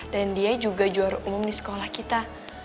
dan dia juga juara umum di sekolah kita